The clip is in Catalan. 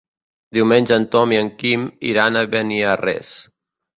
Diumenge en Tom i en Quim iran a Beniarrés.